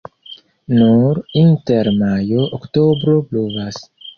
Nur inter majo-oktobro pluvas.